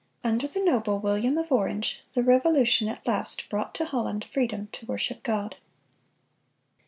Under the noble William of Orange, the Revolution at last brought to Holland freedom to worship God.